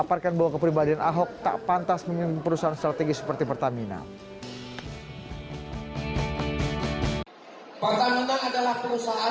ahok tak pantas mengingat perusahaan strategis seperti pertamina pertamina adalah perusahaan